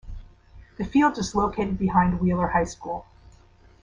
The field is located behind Wheeler High School.